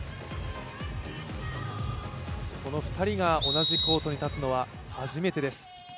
この２人が同じコートに立つのは初めてです。